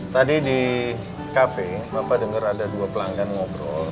tadi di cafe papa denger ada dua pelanggan ngobrol